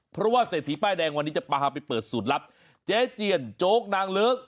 เพราะว่าเศรษฐีป้ายแดงวันนี้จะพาไปเปิดสูตรลับเจ๊เจียนโจ๊กนางเลิก